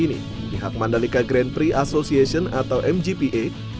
pihak mandalika grand prix association atau mgpa